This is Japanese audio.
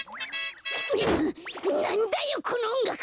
なんだよこのおんがく！